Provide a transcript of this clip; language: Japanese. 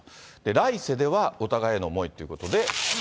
来世ではお互いへの思いということで。